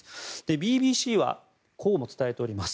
ＢＢＣはこうも伝えております。